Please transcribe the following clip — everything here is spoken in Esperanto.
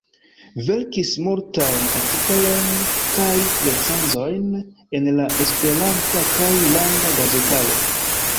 Verkis multajn artikolojn kaj recenzojn en la esperanta kaj landa gazetaro.